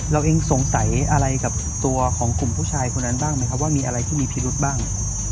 เราเองสงสัยอะไรกับตัวของกลุ่มผู้ชายคนนั้นบ้างไหมครับว่ามีอะไรที่มีพิรุษบ้าง